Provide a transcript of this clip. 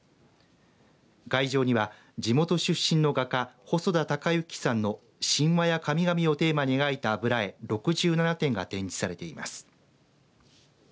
会場には地元出身の画家細田崇之さんの神話や神々をテーマに描いた油絵６７点が展示されています。